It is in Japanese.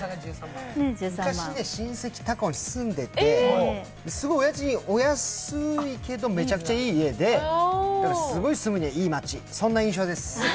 昔、親戚が高尾に住んでいて、家賃は安いけれどめちゃくちゃい家で、すごい住むにはいい街、そんな印象です。